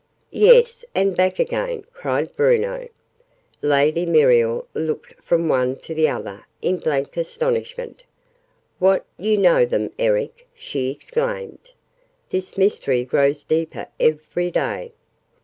"Yes, and back again!" cried Bruno. Lady Muriel looked from one to the other in blank astonishment. "What, you know them, Eric?" she exclaimed. "This mystery grows deeper every day!"